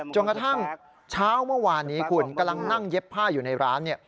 จนกระทั่งเช้าเมื่อวานนี้คุณกำลังนั่งเย็บผ้าอยู่ในร้าน